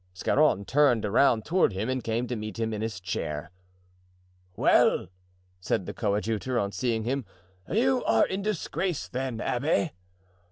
Scarron turned around toward him and came to meet him in his chair. "Well," said the coadjutor, on seeing him, "you are in disgrace, then, abbé?"